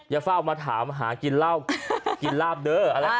อย่าเฝ้ามาถามหากินเหล้ากินหลาบเด้อ